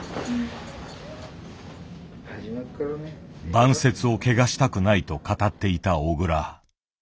晩節を汚したくないと語っていた小倉。